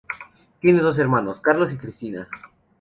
Tiene dos hermanos, Carlos y Cristina.